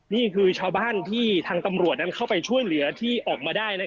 นี่คือชาวบ้านที่สมึงทางจะช่วยเหลือออกมาได้